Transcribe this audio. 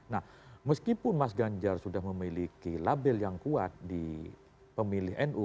nah meskipun mas ganjar sudah memiliki label yang kuat di pemilih nu